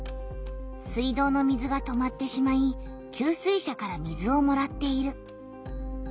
水道の水が止まってしまい給水車から水をもらっている。